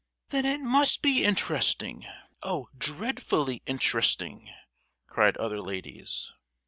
"Then it must be interesting, oh, dreadfully interesting," cried other ladies.